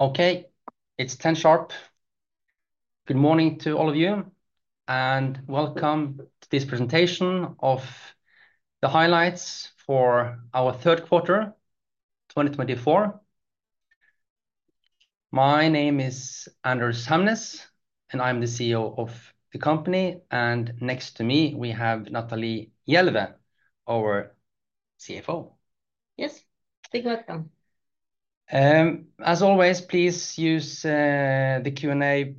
Okay, it's 10 A.M. sharp. Good morning to all of you and welcome to this presentation of the highlights for our third quarter 2024. My name is Anders Hamnes and I'm the CEO of the company. Next to me we have Natalie Jelveh, our CFO. Yes, big welcome. As always, please use the Q&A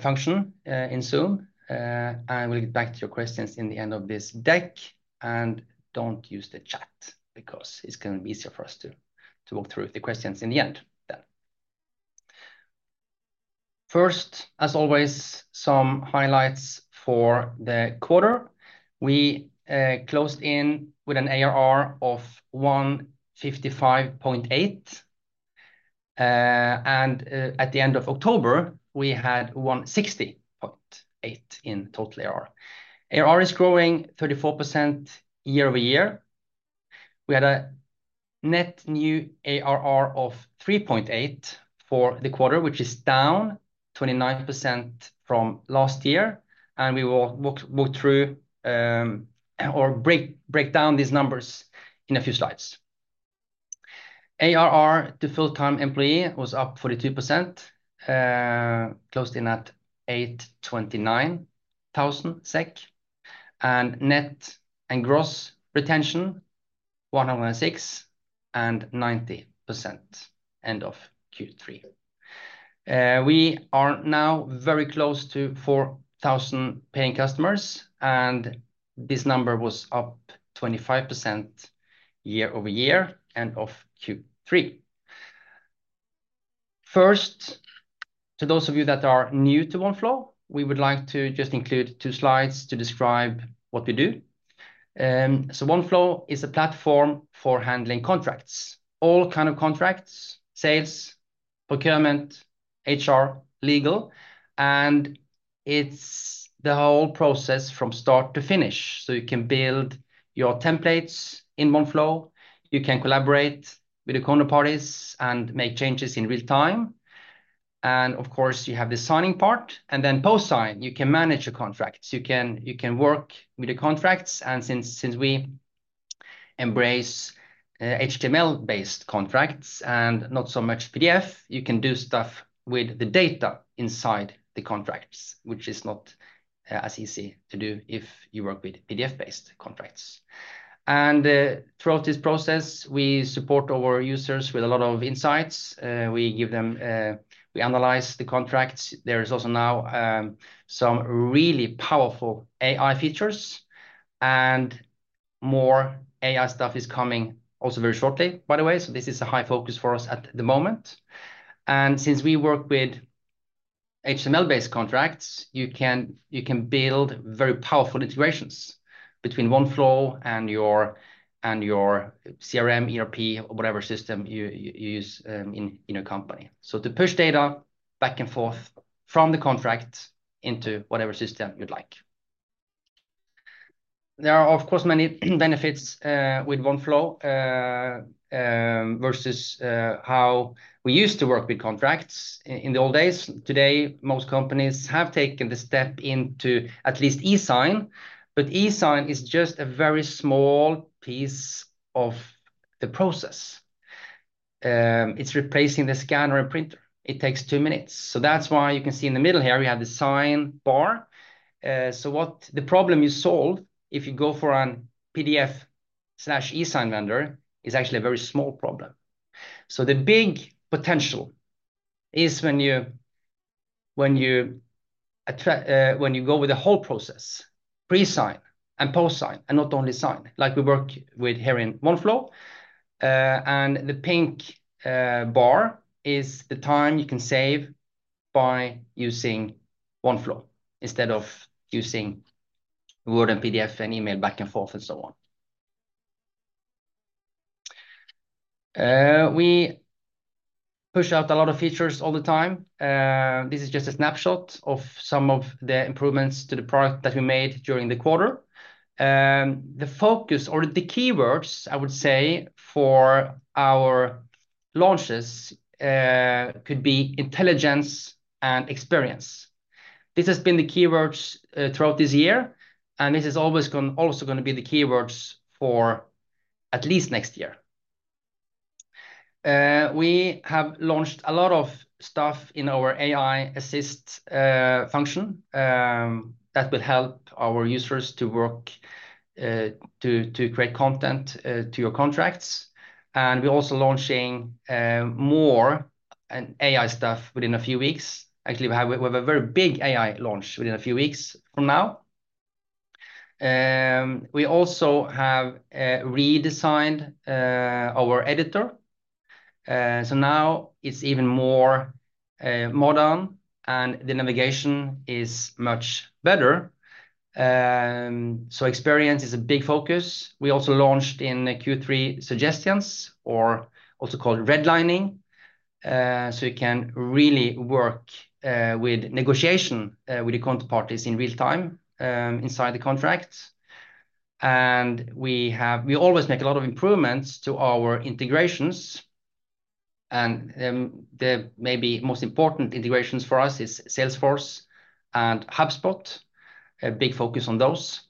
function in Zoom, and we'll get back to your questions at the end of this deck. Don't use the chat because it's going to be easier for us to walk through the questions in the end. First, as always, some highlights for the quarter. We closed in with an ARR of 155.8, and at the end of October we had 160.8 in total. ARR is growing 34% year-over-year. We had a net new ARR of 3.8 for the quarter, which is down 29% from last year. We will walk through or break down these numbers in a few slides. ARR to full-time employee was up 42%. Closed in at 829,000 SEK, and net and gross retention 106% and 90% end-of-year Q3. We are now very close to 4,000 paying customers, and this number was up 25% year-over-year, end of Q3. First to those of you that are new to Oneflow, we would like to just include two slides to describe what we do. So Oneflow is a platform for handling contracts, all kind of contracts, sales, procurement, HR, legal, and it's the whole process from start to finish. So you can build your templates in Oneflow, you can collaborate with the counterparties and make changes in real time. And of course you have the signing part, and then post sign, you can manage your contracts. You can, you can work with the contracts. And since we embrace HTML-based contracts and not so much PDF, you can do stuff with the data inside the contracts, which is not as easy to do if you work with PDF-based contracts. And throughout this process we support our users with a lot of insights. We give them, we analyze the contracts. There is also now some really powerful AI features and more AI stuff is coming also very shortly by the way. So this is a high focus for us at the moment. And since we work with HTML based contracts, you can build very powerful integrations between Oneflow and your CRM, ERP or whatever system you use in your company. So to push data back and forth from the contract into whatever system you'd like. There are of course many benefits with Oneflow versus how we used to work with contracts in the old days. Today most companies have taken the step into at least E-sign. But E-sign is just a very small piece of the process. It's replacing the scanner and printer. It takes two minutes. So that's why you can see in the middle here we have the sign bar. So what the problem you solve if you go for a PDF/E-sign vendor is actually a very small problem. So the big potential is when you go with the whole process pre-sign and post-sign and not only sign like we work with here in Oneflow. The pink bar is the time you can save by using Oneflow instead of using Word and PDF and email back and forth and so on. We push out a lot of features all the time. This is just a snapshot of some of the improvements to the product that we made during the quarter. The focus or the keywords I would say for our launches could be intelligence and experience. This has been the keywords throughout this year and this is always going to be the keywords for at least next year. We have launched a lot of stuff in our AI Assist function that will help our users to create content to your contracts. We're also launching more AI stuff within a few weeks. Actually, we have a very big AI launch within a few weeks from now. We also have redesigned our editor so now it's even more modern and the navigation is much better, so experience is a big focus. We also launched in Q3 suggestions or also called redlining, so you can really work with negotiation with the counterparties in real time inside the contract, and we have, we always make a lot of improvements to our integrations and the, maybe, most important integrations for us is Salesforce and HubSpot, a big focus on those,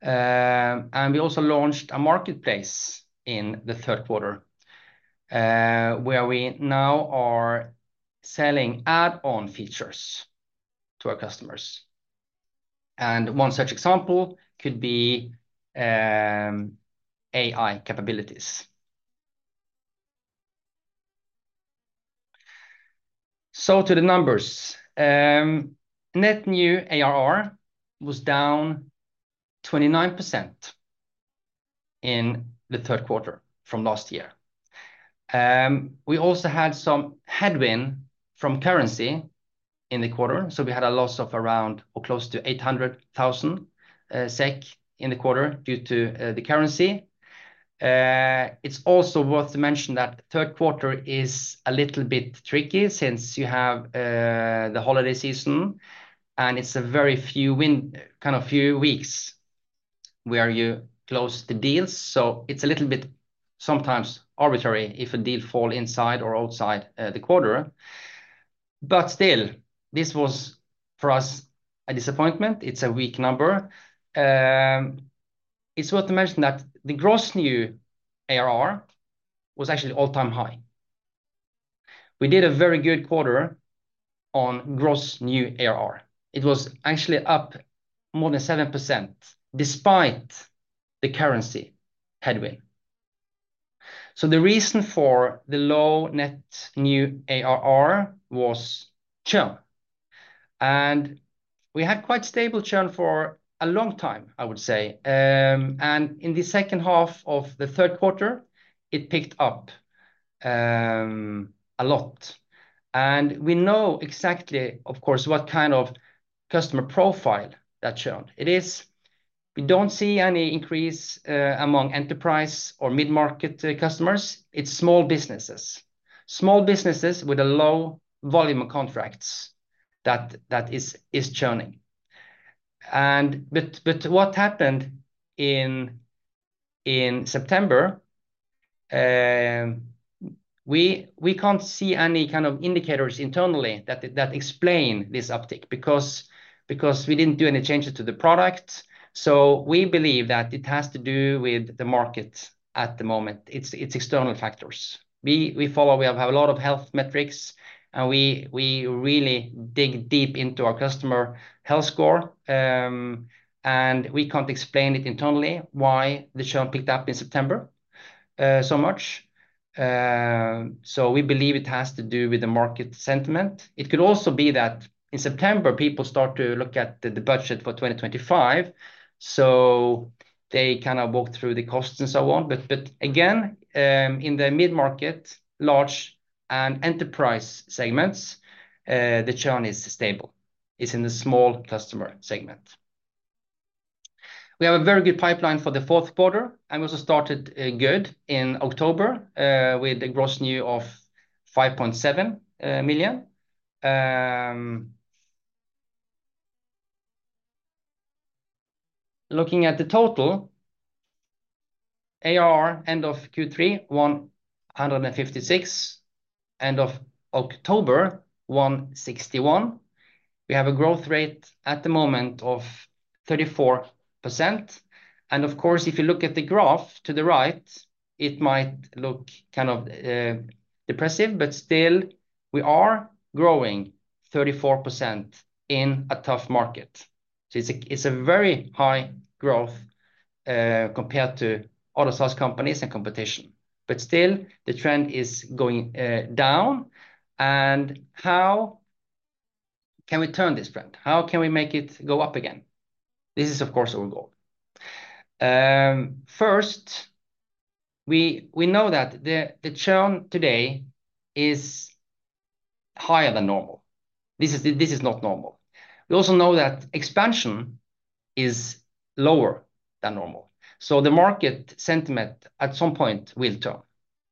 and we also launched a Marketplace in the third quarter where we now are selling add-on features to our customers, and one such example could be AI capabilities, So to the numbers, net new ARR was down 29% in the third quarter from last year. We also had some headwind from currency in the quarter. So we had a loss of around or close to 800,000 SEK in the quarter due to the currency. It's also worth mentioning that third quarter is a little bit tricky since you have the holiday season and it's a very few weeks where you close the deals. So it's a little bit sometimes arbitrary if a deal fall inside or outside the quarter. But still this was for us a disappointment. It's a weak number. It's worth mentioning that the gross new ARR was actually all-time high. We did a very good quarter on gross new ARR. It was actually up more than 7% despite the currency headwind. So the reason for the low net new ARR was churn. And we had quite stable churn for a long time, I would say. In the second half of the third quarter it picked up a lot. We know exactly, of course, what kind of customer profile that it is. We don't see any increase among enterprise or mid-market customers in small businesses. Small businesses with a low volume of contracts that is churning. What happened in September, we can't see any kind of indicators internally that explain this uptick because we didn't do any changes to the product. We believe that it has to do with the market at the moment. It's external factors we follow. We have a lot of health metrics and we really dig deep into our customer health score and we can't explain it internally why the churn picked up in September so much. We believe it has to do with the market sentiment. It could also be that in September people start to look at the budget for 2025 so they kind of walk through the costs and so on. But again in the mid-market large and enterprise segments the churn is stable. It's in the small customer segment. We have a very good pipeline for the fourth quarter and we also started good in October with a gross new of 5.7 million. Looking at the total ARR end of Q3, 156 million, end of October, 161 million. We have a growth rate at the moment of 34%. And of course if you look at the graph to the right, it might look kind of depressive, but still we are growing 34% in a tough market. So it's a very high growth compared to other SaaS companies and competition. But still the trend is going down. And how can we turn this trend? How can we make it go up again? This is of course our goal. First, we know that the churn today is higher than normal. This is not normal. We also know that expansion is lower than normal. The market sentiment at some point will turn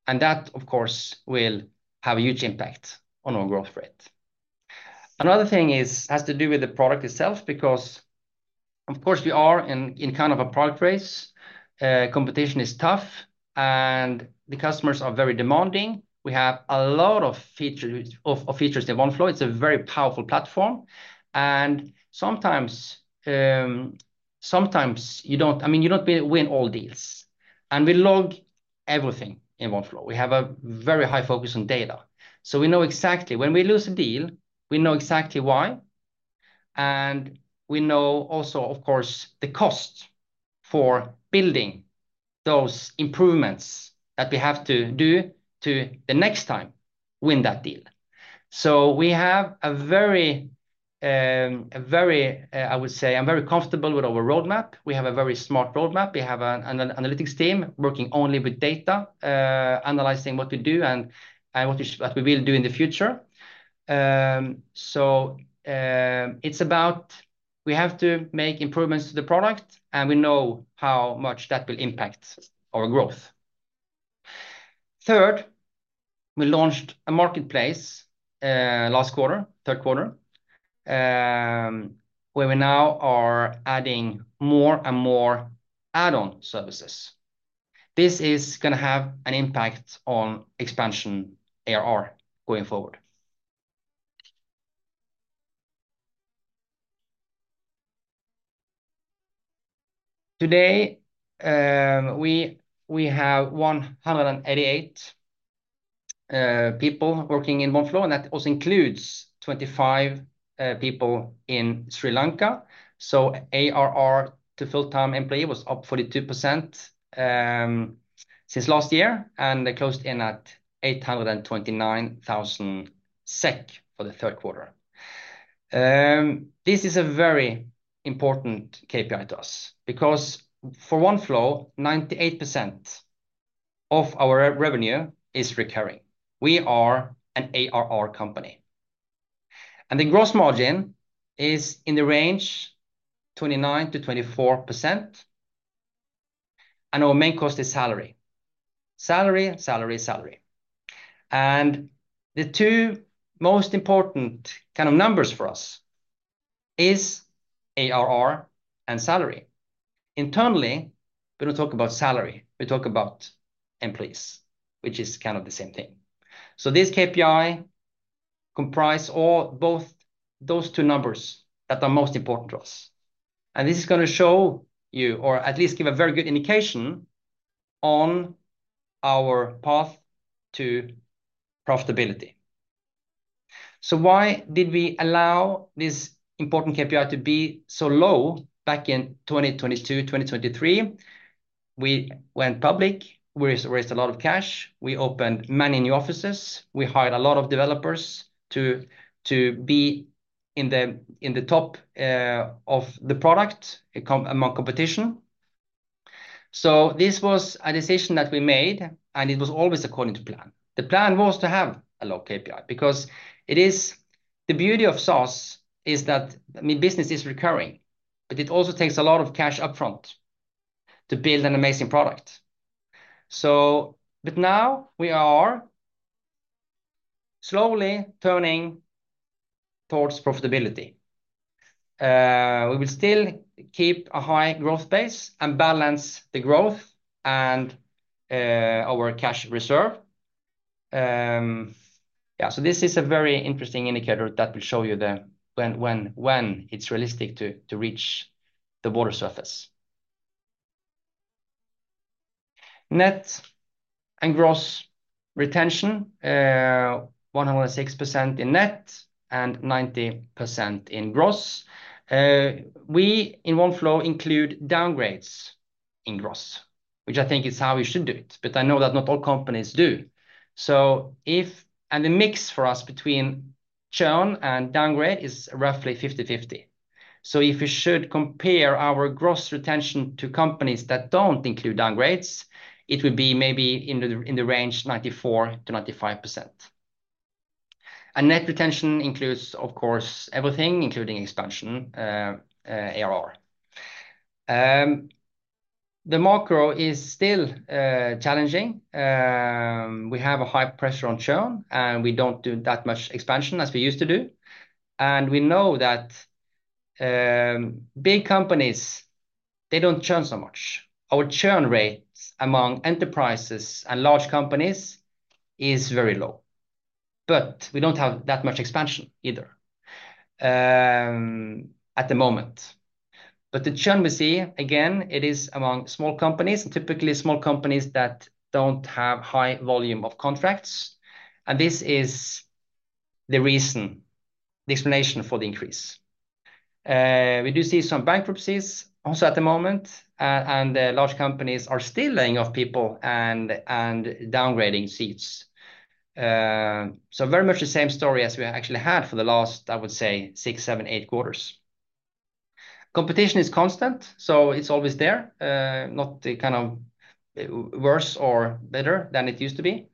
and that of course will have a huge impact on our growth rate. Another thing has to do with the product itself because of course we are in kind of a product race. Competition is tough and the customers are very demanding. We have a lot of features in Oneflow. It's a very powerful platform and sometimes you don't, I mean you don't win all deals and we log everything in Oneflow. We have a very high focus on data so we know exactly when we lose a deal. We know exactly why and we know also of course the cost for building those improvements that we have to do to the next time win that deal. So we have a very, very, I would say I'm very comfortable with our roadmap. We have a very smart roadmap. We have an analytics team working only with data analyzing what to do and, and what we will do in the future. So it's about, we have to make improvements to the product and we know how much that will impact our growth. Third, we launched a marketplace last quarter, third quarter where we now are adding more and more add on services. This is going to have an impact on expansion ARR going forward. Today we have 188 people working in Oneflow and that also includes 25 people in Sri Lanka. ARR per full-time employee was up 42% since last year and they closed in at 829,000 SEK for the third quarter. This is a very important KPI to us because for Oneflow 98% of our revenue is recurring. We are an ARR company and the gross margin is in the range 29%-24%. Our main cost is salary, salary, salary, salary and the two most important kind of numbers for us is ARR and salary. Internally we don't talk about salary, we talk about employees which is kind of the same thing. This KPI comprise all both those two numbers that are most important to us. This is going to show you or at least give a very good indication on our path to profitability. Why did we allow this important KPI to be so low? Back in 2022, 2023 we went public, we raised a lot of cash, we opened many new offices, we hired a lot of developers to be in the top of the product among competition. This was a decision that we made and it was always according to plan. The plan was to have a low KPI because it is the beauty of SaaS is that business is recurring but it also takes a lot of cash upfront to build an amazing product. But now we are slowly turning towards profitability. We will still keep a high growth base and balance the growth and our cash reserve. Yeah, so this is a very interesting indicator that will show you the when it's realistic to reach the water surface. Net and gross retention, 106% in net and 90% in gross. We in Oneflow include downgrades in gross which I think is how we should do it. But I know that not all companies do. So the mix for us between churn and downgrade is roughly 50/50. So if you should compare our gross retention to companies that don't include downgrades, it would be maybe in the range 94%-95%. And net retention includes of course everything including expansion ARR. The macro is still challenging. We have a high pressure on churn and we don't do that much expansion as we used to do. And we know that big companies, they don't churn so much. Our churn rate among enterprises and large companies is very low, but we don't have that much expansion either at the moment. But the churn we see, again, it is among small companies and typically small companies that don't have high volume of contracts. And this is the reason, the explanation, for the increase. We do see some bankruptcies also at the moment, and large companies are still laying off people and downgrading seats, so very much the same story as we actually had for the last, I would say, six, seven, eight quarters. Competition is constant, so it's always there. Not the kind of worse or better than it used to be.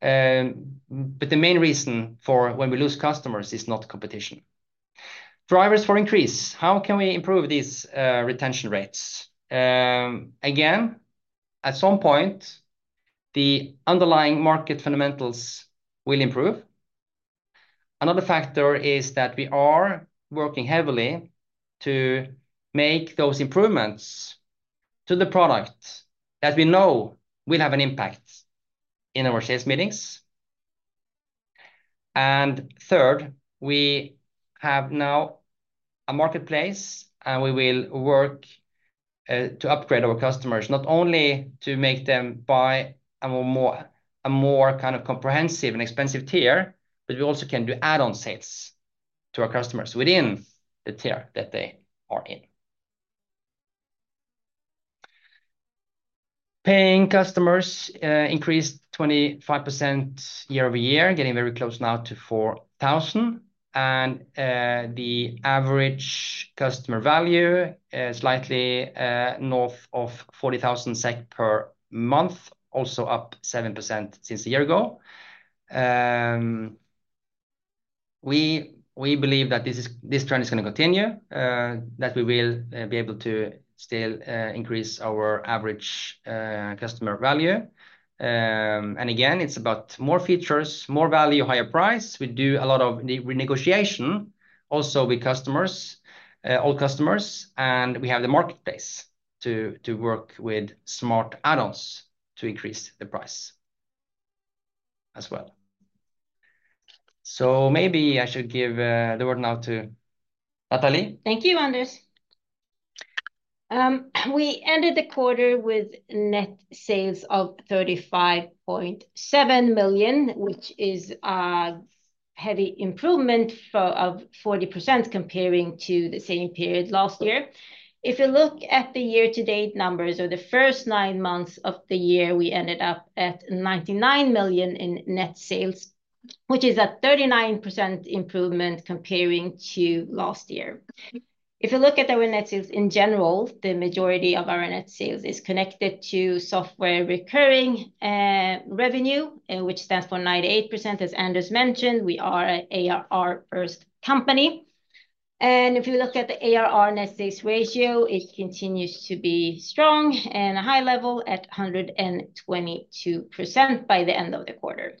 But the main reason for when we lose customers is not competition. Drivers for increase. How can we improve these retention rates? Again, at some point the underlying market fundamentals will improve. Another factor is that we are working heavily to make those improvements to the product that we know will have an impact in our sales meetings. And third, we have now a Marketplace and we will work to upgrade our customers not only to make them buy a more, a more kind of comprehensive and expensive tier, but we also can do add-on sales to our customers within the tier that they are in. Paying customers increased 25% year-over-year, getting very close now to 4,000 and the average customer value slightly north of 40,000 SEK per month also up 7% since a year ago. We, believe that this is, this trend is going to continue that we will be able to still increase our average customer value. And again it's about more features, more value, higher price. We do a lot of renegotiation also with customers, all customers. And we have the Marketplace to work with smart add-ons to increase the price as well. So maybe I should give the word now to Natalie. Thank you Anders. We ended the quarter with net sales of 35.7 million which is hefty improvement of 40% comparing to the same period last year. If you look at the year to date numbers or the first nine months of the year, we ended up at 99 million in net sales which is a 39% improvement comparing to last year. If you look at our net sales in general, the majority of our net sales is connected to software recurring revenue which stands for 98%. As Anders mentioned, we are an ARR first company and if you look at the ARR net sales ratio, it continues to be strong and a high level at 122% by the end of the quarter.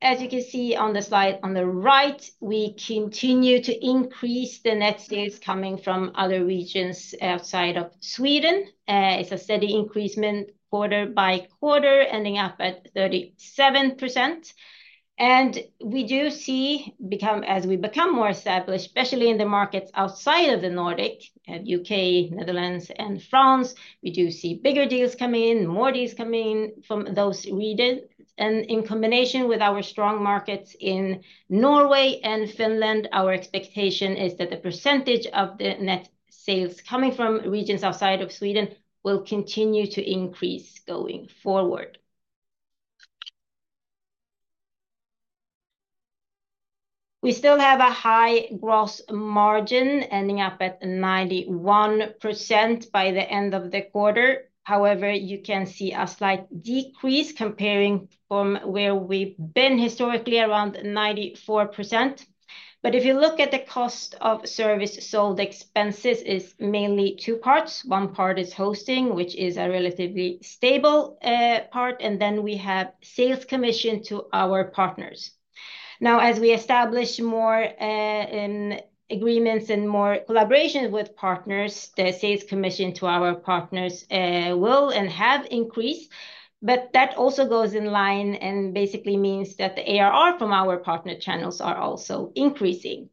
As you can see on the slide on the right, we continue to increase the net sales coming from other regions outside of Sweden. It's a steady increase quarter by quarter, ending up at 37%. And we do see, as we become more established, especially in the markets outside of the Nordic, U.K., Netherlands and France, we do see bigger deals come in, more deals come in from those regions. And in combination with our strong markets in Norway and Finland, our expectation is that the percentage of the net sales coming from regions outside of Sweden will continue to increase going forward. We still have a high gross margin ending up at 91% by the end of the quarter. However, you can see a slight decrease comparing from where we've been historically, around 94%. But if you look at the cost of services sold expenses is mainly two parts. One part is hosting, which is a relatively stable part. And then we have sales commission to our partners. Now as we establish more agreements and more collaborations with partners, the sales commission to our partners will and have increased. But that also goes in line and basically means that the ARR from our partner channels are also increasing.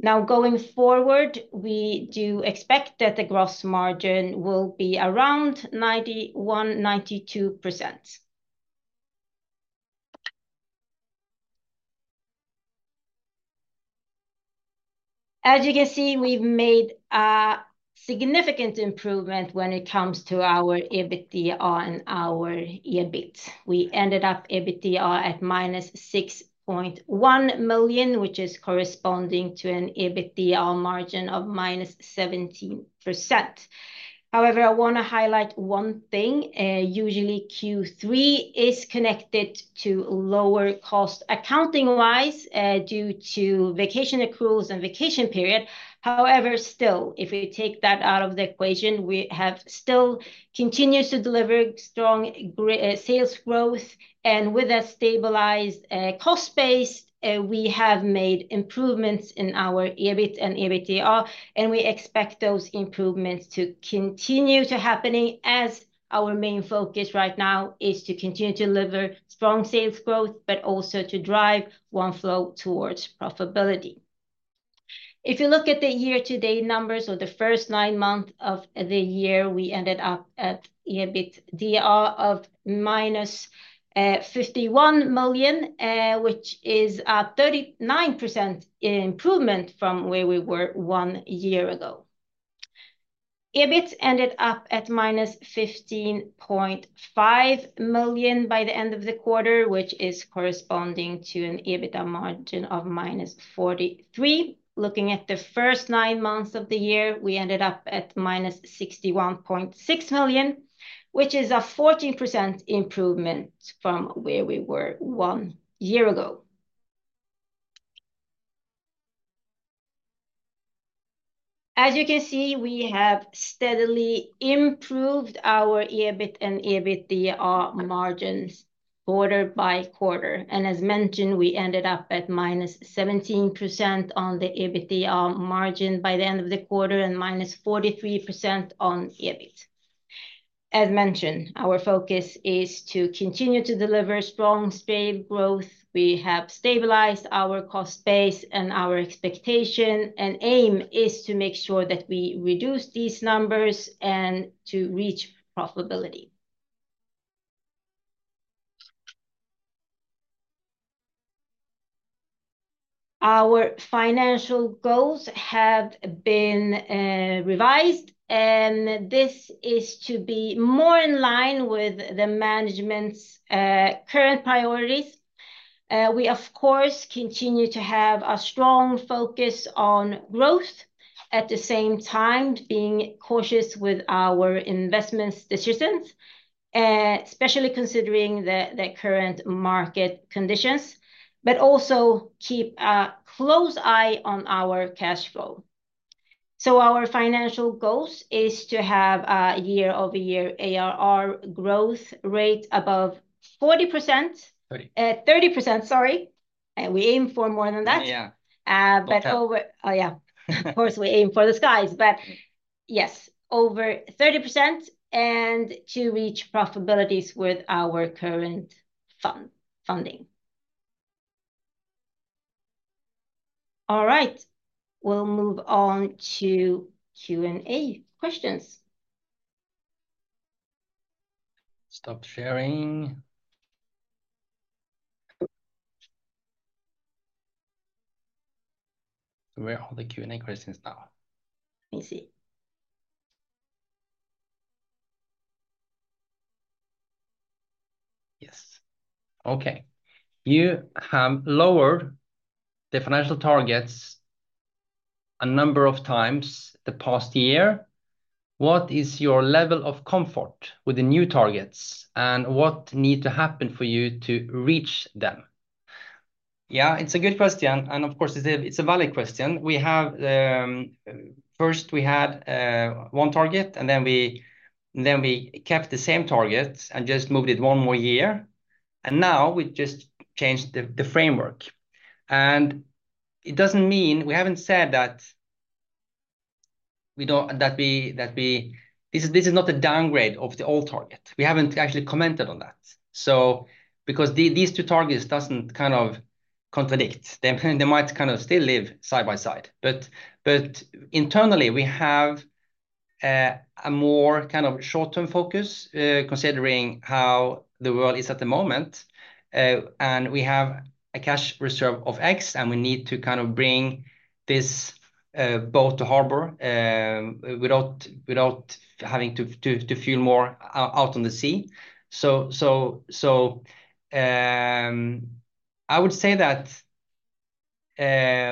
Now going forward we do expect that the gross margin will be around 91%-92%. As you can see, we've made a significant improvement when it comes to our EBITDA. On our EBIT we ended up EBITDA at minus 6.1 million which is corresponding to an EBITDA margin of -17%. However, I want to highlight one thing. Usually Q3 is connected to lower cost accounting wise due to vacation accruals and vacation period. However, still, if we take that out of the equation, we have still continues to deliver strong sales growth and with a stabilized cost base we have made improvements in our EBIT and EBITDA and we expect those improvements to continue to happening as our main focus right now is to continue to deliver strong sales growth, but also to drive Oneflow towards profitability. If you look at the year-to-date numbers of the first nine months of the year, we ended up at EBITDA of minus 51 million, which is a 39% improvement from where we were one year ago. EBIT ended up at minus 15.5 million by the end of the quarter, which is corresponding to an EBITDA margin of -43%. Looking at the first nine months of the year, we ended up at minus 61.6 million, which is a 14% improvement from where we were one year ago. As you can see, we have steadily improved our EBIT and EBITDA margins quarter by quarter. As mentioned, we ended up at -17% on the EBITDA margin by the end of the quarter and -43% on EBITDA. As mentioned, our focus is to continue to deliver strong sales growth. We have stabilized our cost base and our expectation and aim is to make sure that we reduce these numbers and to reach profitability. Our financial goals have been revised and this is to be more in line with the management's current priorities. We of course continue to have a strong focus on growth, at the same time being cautious with our investment decisions, especially considering the current market conditions, but also keep a close eye on our cash flow. So our financial goals is to have a year-over-year ARR growth rate above 30%. Sorry, we aim for more than that. Oh yeah, of course we aim for the skies, but yes, over 30% and to reach profitabilities with our current funding. All right, we'll move on to Q&A questions. Stop sharing. Where are the Q&A questions now? Yes, okay, you have lowered the financial targets a number of times the past year. What is your level of comfort with the new targets and what need to happen for you to reach them? Yeah, it's a good question and of course it's a valid question. First we had one target and then we kept the same targets and just moved it one more year and now we just changed the framework, and it doesn't mean we haven't said that this is not a downgrade of the old target. We haven't actually commented on that because these two targets doesn't contradict. They might still live side by side. But internally we have a more kind of short term focus considering how the world is at the moment and we have a cash reserve of X and we need to kind of bring this boat to harbor without having to feel more out on the sea. So I would say that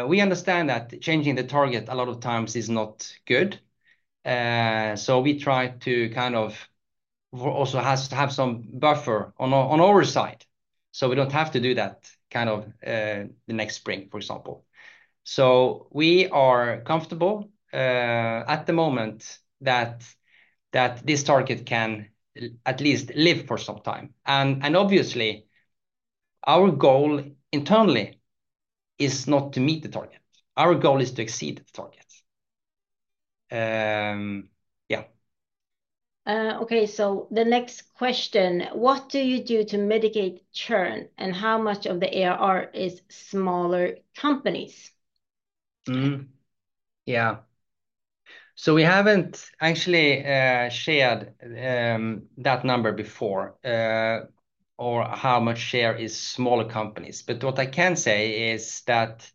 we understand that changing the target a lot of times is not good. So we try to kind of also has to have some buffer on our side so we don't have to do that kind of the next spring for example. So we are comfortable at the moment that this target can at least live for some time. And obviously our goal internally is not to meet the target, our goal is to exceed the target. Yeah. Okay, so the next question, what do you do to mitigate churn and how much of the ARR is smaller companies? Yeah, so we haven't actually shared that number before or how much share is smaller companies. But what I can say is that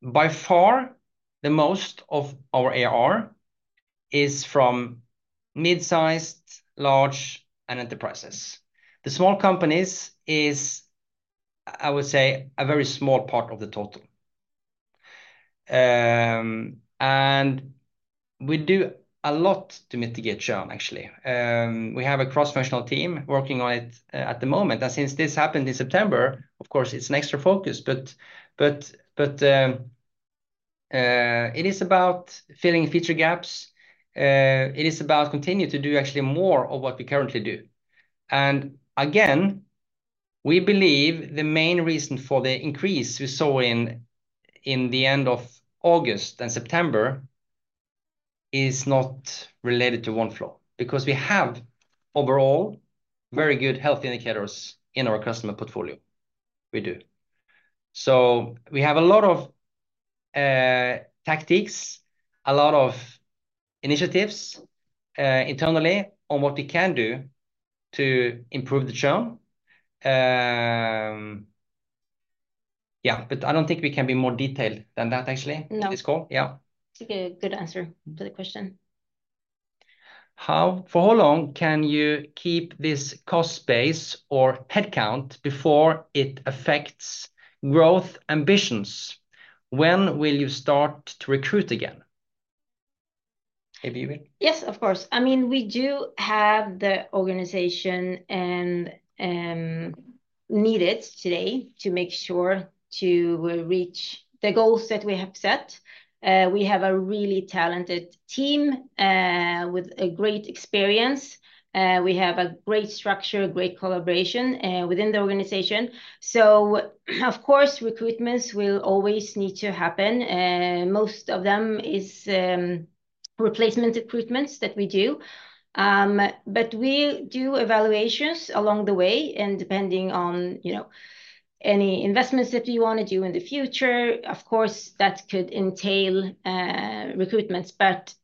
by far the most of our ARR is from mid-sized, large, and enterprises. The small companies is, I would say, a very small part of the total, and we do a lot to mitigate churn. Actually, we have a cross-functional team working on it at the moment, and since this happened in September, of course it's an extra focus, but, but, but it is about filling feature gaps. It is about continue to do actually more of what we currently do. And again we believe the main reason for the increase we saw in the end of August and September is not related to Oneflow because we have overall very good health indicators in our customer portfolio. We do. So we have a lot of tactics, a lot of initiatives internally on what we can do to improve the churn. Yeah, but I don't think we can be more detailed than that actually. It's cool. Yeah. A good answer to the question how. For how long can you keep this cost base or headcount before it affects growth ambitions? When will you start to recruit again? Yes, of course. I mean we do have the organization and need it today to make sure to reach the goals that we have set. We have a really talented team with a great experience. We have a great structure, great collaboration within the organization. So of course recruitments will always need to happen. Most of them is replacement recruitments that we do. But we do evaluations along the way and depending on, you know, any investments that we want to do in the future. Of course that could entail recruitments. But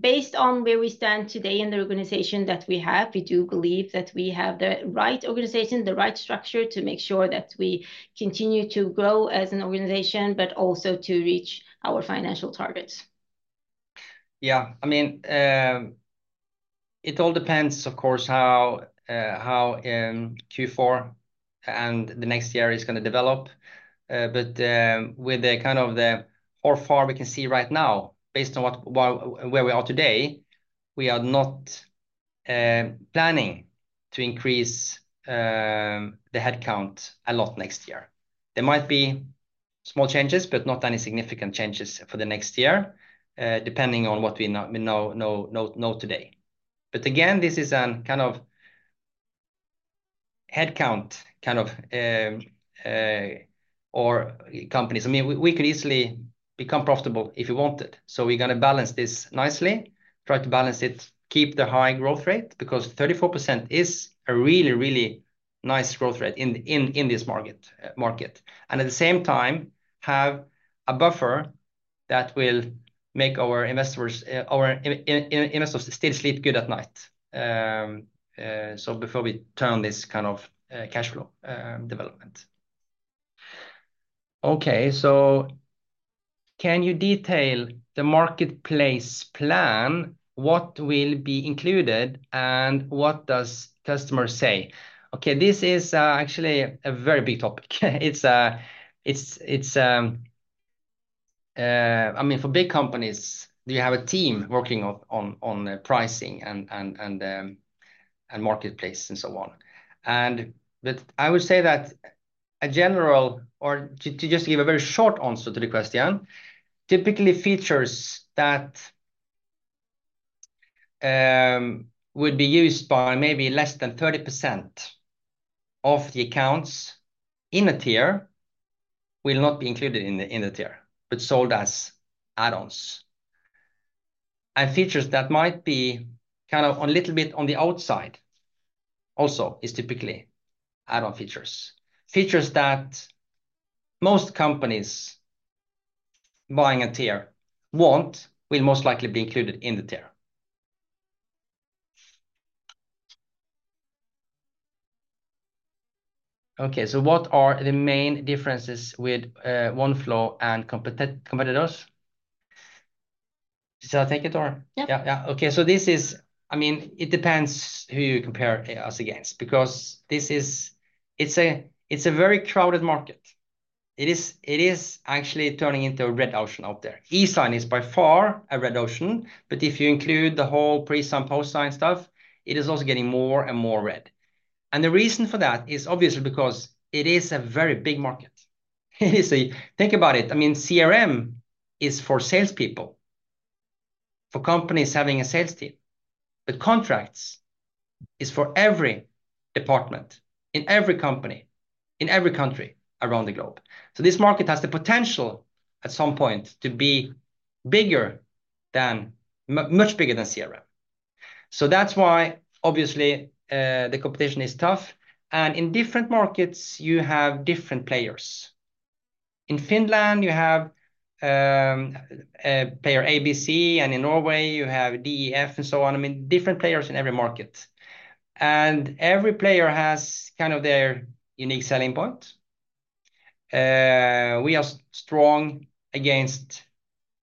based on where we stand today in the organization that we have, we do believe that we have the right organization, the right structure to make sure that we continue to grow as an organization, but also to reach our financial targets. Yeah, I mean it all depends of course how Q4 and the next year is going to develop. But with the kind of the how far we can see right now based on where we are today, we are not planning to increase the headcount a lot next year. There might be small changes, but not any significant changes for the next year depending on what we know today. But again this is a kind of headcount kind of or companies. I mean we could easily become profitable if you wanted. So we're going to balance this nicely. Try to balance it, keep the high growth rate because 34% is a really, really nice growth rate in this market and at the same time have a buffer that will make our investors still sleep good at night. So before we turn this kind of cash flow development. Okay, so can you detail the Marketplace plan, what will be included and what does customers say? Okay, this is actually a very big topic. I mean for big companies you have a team working on pricing and Marketplace and so on. But I would say that a general or to just give a very short answer to the question, typically features that would be used by maybe less than 30% of the accounts in a tier will not be included in the tier but sold as add-ons and features that might be kind of a little bit on the outside also is typically add-on features, features that most companies buying a tier want will most likely be included in the tier. Okay, so what are the main differences with Oneflow and competent competitors? Shall I take it? Yeah. Okay. So this is, I mean it depends who you compare us against because this is, it's a, it's a very crowded market. It is, it is actually turning into a red ocean out there. E-sign is by far a red ocean. But if you include the whole pre, some post sign stuff, it is also getting more and more red. And the reason for that is obviously because it is a very big market. Think about it. I mean CRM is for salespeople, for companies having a sales team. But contracts is for every department in every company in every country around the globe. So this market has the potential at some point to be bigger than much bigger than CRM. So that's why obviously the competition is tough. And in different markets you have different players. In Finland you have a player ABC and in Norway you have DEF and so on. I mean different players in every market and every player has kind of their unique selling point. We are strong against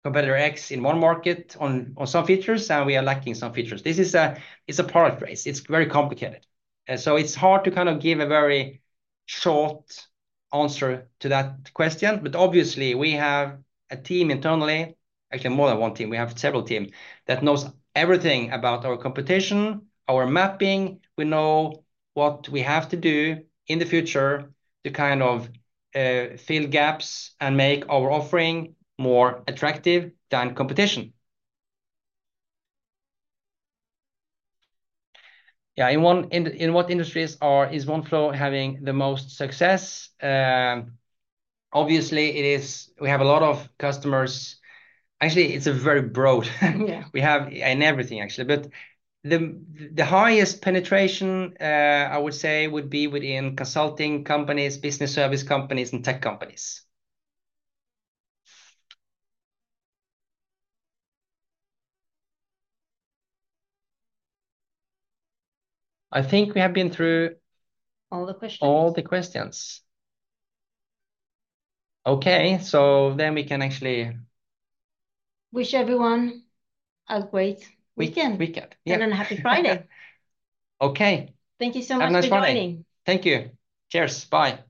competitor X in one market on, on some features and we are lacking some features. This is a, it's a product race. It's very complicated and so it's hard to kind of give a very short answer to that question. But obviously we have a team internally actually more than one team. We have several team that knows everything about our competition, our mapping. We know what we have to do in the future to kind of fill gaps and make our offering more attractive than competition. Yeah. In one, in what industries is Oneflow having the most success? Obviously it is, we have a lot of customers, actually. It's a very broad. Yeah, we have in everything, actually. But the highest penetration, I would say, would be within consulting companies, business service companies and tech companies. I think we have been through all the questions. All the questions. Wish everyone, have a great weekend and happy Friday. Okay. Thank you so much for joining. Thank you. Cheers. Bye.